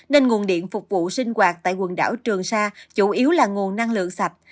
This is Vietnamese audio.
nên nguồn điện phục vụ sinh hoạt tại quần đảo trường sa chủ yếu là nguồn năng lượng sạch